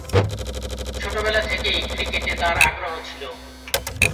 ছোটবেলা থেকেই ক্রিকেটে তার আগ্রহ ছিল।